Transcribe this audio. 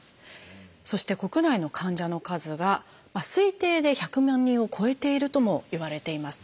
そして国内の患者の数が推定で１００万人を超えているともいわれています。